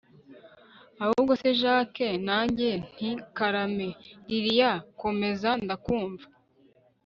ahubwo se jack.. nanjye nti karame lilia, komeza ndakumva